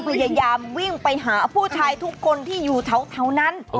พยายามวิ่งไปหาผู้ชายทุกคนที่อยู่แถวนั้น